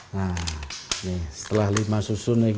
nah ini setelah lima susunnya gini satu dua tiga empat lima